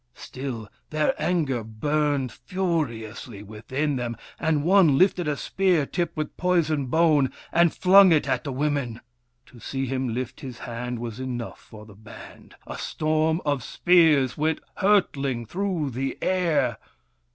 Still, their anger burned furiously within them, and one lifted a spear tipped .;,32 WURIP, THE FIRE BRINGER with poisoned bone, and flung it at the women. To see him lift his hand was enough for the band. A storm of spears went hurtling through the air.